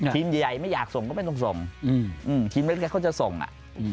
ทีมใหญ่ไม่อยากส่งก็ไม่ต้องส่งทีมเล็กเขาจะส่งอ่ะ